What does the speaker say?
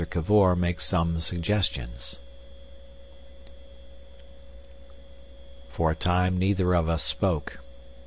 Cavor Makes Some Suggestions For a time neither of us spoke.